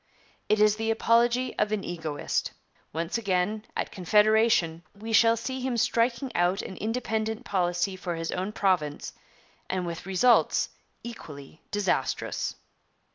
It is the apology of an egoist. Once again, at Confederation, we shall see him 'striking out an independent policy for his own province,' and with results equally disastrous.